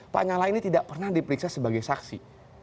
pak nyala ini tidak pernah diperiksa sebagai saksi